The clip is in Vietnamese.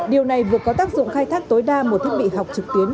điều này vừa có tác dụng khai thác tối đa một thiết bị học trực tuyến